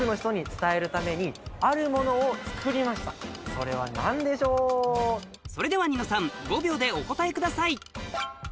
それではここでそれではニノさん５秒でお答えください